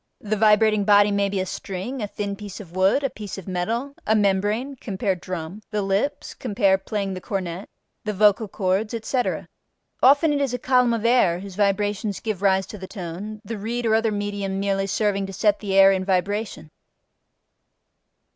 The vibrating body may be a string, a thin piece of wood, a piece of metal, a membrane (cf. drum), the lips (cf. playing the cornet), the vocal cords, etc. Often it is a column of air whose vibrations give rise to the tone, the reed or other medium merely serving to set the air in vibration.